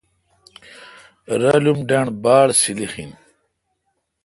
رالم ڈنڈ باڑ سیلح این۔